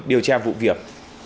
điều tra vụ việc